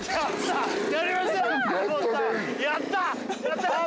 やったぜ！